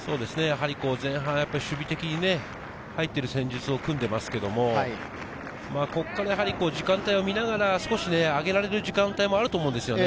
前半、守備的に入っている戦術を組んでいますけど、ここから時間帯を見ながら少し上げられる時間帯もあると思うんですよね。